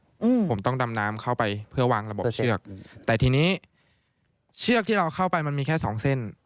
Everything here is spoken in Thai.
อืมผมต้องดำน้ำเข้าไปเพื่อวางระบบเชือกแต่ทีนี้เชือกที่เราเข้าไปมันมีแค่สองเส้น